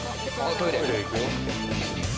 トイレ行くよ。